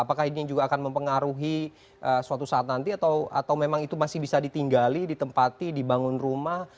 apakah ini juga akan mempengaruhi suatu saat nanti atau memang itu masih bisa ditinggali ditempati dibangun rumah